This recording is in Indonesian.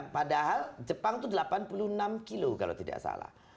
padahal jepang itu delapan puluh enam kilo kalau tidak salah